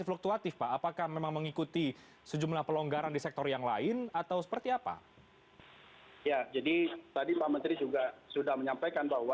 untuk melaksanakan aktivitas beragamanya di tempat tempat atau di rumah ibadah